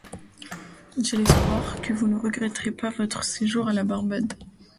J’ai l’espoir que vous ne regretterez pas votre séjour à la Barbade...